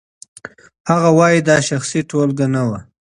هغه وايي دا شخصي ټولګه نه وه.